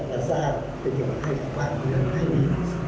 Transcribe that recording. และสร้างเป็นอยู่กับให้สวัสดีกว่าที่ด่งให้มี